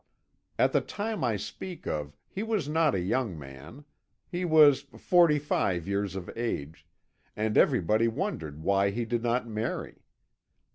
"At the time I speak of he was not a young man; he was forty five years of age, and everybody wondered why he did not marry.